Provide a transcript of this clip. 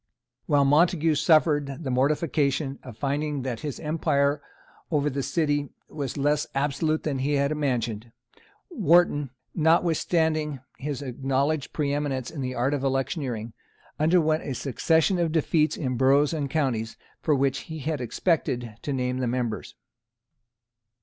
While Montague suffered the mortification of finding that his empire over the city was less absolute than he had imagined, Wharton, notwithstanding his acknowledged preeminence in the art of electioneering, underwent a succession of defeats in boroughs and counties for which he had expected to name the members.